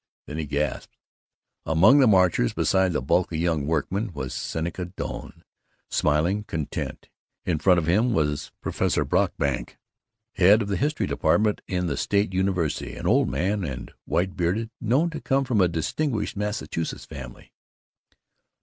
Then he gasped. Among the marchers, beside a bulky young workman, was Seneca Doane, smiling, content. In front of him was Professor Brockbank, head of the history department in the State University, an old man and white bearded, known to come from a distinguished Massachusetts family.